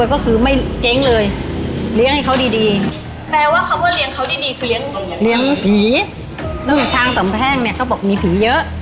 คือเลี้ยงเลี้ยงผีอืมทางสำแพงเนี้ยเขาบอกมีผีเยอะ